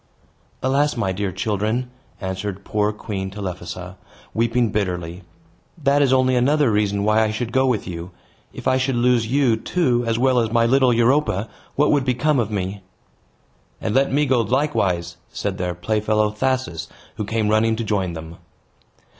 "Alas! my dear children," answered poor Queen Telephassa; weeping bitterly, "that is only another reason why I should go with you. If I should lose you, too, as well as my little Europa, what would become of me!" "And let me go likewise!" said their playfellow Thasus, who came running to join them.